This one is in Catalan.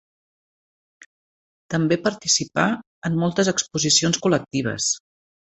També participà en moltes exposicions col·lectives.